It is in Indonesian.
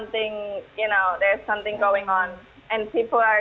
hujan besar dan petang dan petang dan tempur